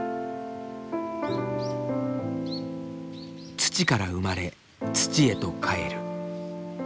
土から生まれ土へと返る。